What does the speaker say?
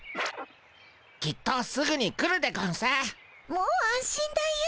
もう安心だよ。